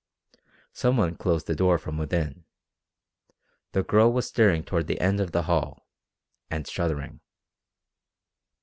Some one closed the door from within. The girl was staring toward the end of the hall, and shuddering.